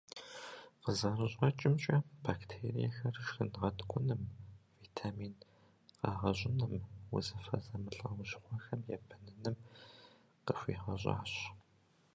Къызэрыщӏэкӏымкӏэ, бактериехэр шхын гъэткӏуным, витамин къэгъэщӏыным, узыфэ зэмылӏэужьыгъуэхэм ебэныным къыхуигъэщӏащ.